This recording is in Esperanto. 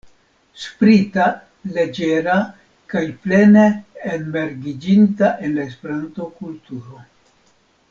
Sprita, leĝera kaj plene enmergiĝinta en la Esperanto-kulturo.